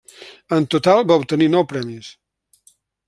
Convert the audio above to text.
En total va obtenir nou premis.